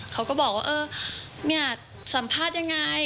เขาก็บอกว่าเออเนี่ยสัมภาษณ์ยังไง